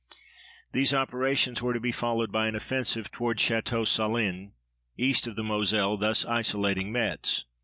These operations were to be followed by an offensive toward Château Salins east of the Moselle, thus isolating Metz.